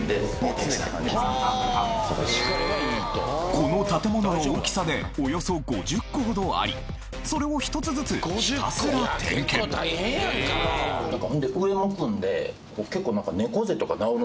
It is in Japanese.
この建物の大きさでおよそ５０個ほどありそれを１つずつひたすら点検結構大変やんか。